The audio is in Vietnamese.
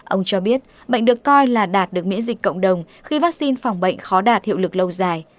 ông cho biết bệnh được coi là đạt được miễn dịch cộng đồng khi vaccine phòng bệnh khó đạt hiệu lực lâu dài